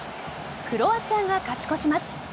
クロアチアが勝ち越します。